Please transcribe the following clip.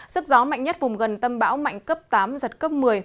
sức gió mạnh nhất vùng gần tâm bão mạnh cấp tám giật cấp một mươi